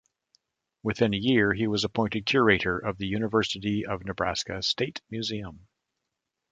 Within a year, he was appointed Curator of the University of Nebraska State Museum.